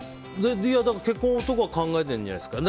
結婚とか考えてるんじゃないですか。